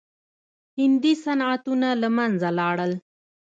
هندي صنعتونه له منځه لاړل.